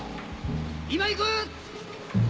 今行く！